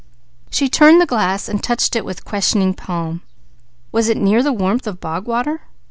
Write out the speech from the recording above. She turned the glass, touching it with questioning palm. Was it near the warmth of bog water?